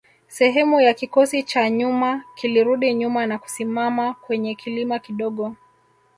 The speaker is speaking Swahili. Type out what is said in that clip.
Sehemu ya kikosi cha nyuma kilirudi nyuma na kusimama kwenye kilima kidogo